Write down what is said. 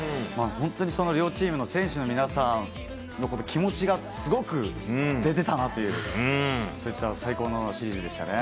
本当にその両チームの選手の皆さん、気持ちがすごく出てたなっていう、そういった最高のシリーズでしたね。